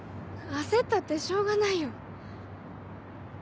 焦ったってしょうがないよ。